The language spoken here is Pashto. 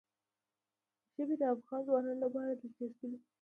ژبې د افغان ځوانانو لپاره دلچسپي لري.